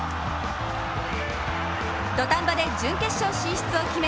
土壇場で準決勝進出を決め